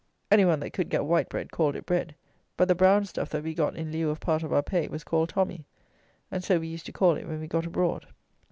Any one that could get white bread, called it bread; but the brown stuff that we got in lieu of part of our pay was called tommy; and so we used to call it when we got abroad.